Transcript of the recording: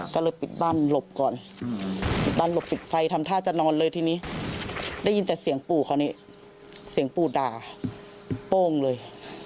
ก็เลยปิดบ้านหลบก่อนบ้านหลบปิดไฟทำท่าจะนอนเลยทีนี้ได้ยินแต่เสียงปู่เขานี่เสียงปู่ด่าโป้งเลย